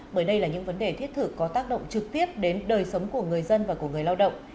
bởi đây là những vấn đề thiết thực có tác động trực tiếp đến đời sống của người dân và của người lao động